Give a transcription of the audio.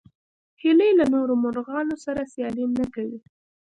هیلۍ له نورو مرغانو سره سیالي نه کوي